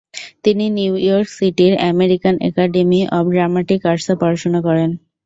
তিনি New York সিটির American Academy of Dramatic আর্টসে পড়াশোনা করেন।